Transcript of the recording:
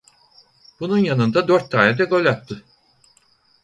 Bunun yanında dört tane de gol attı.